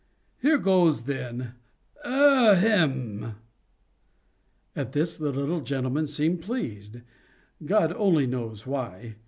Here goes, then—ahem!" At this the little old gentleman seemed pleased—God only knows why.